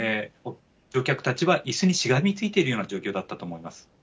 乗客たちはいすにしがみついているような状況だったと思います。